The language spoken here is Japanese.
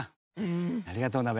ありがとうナベ。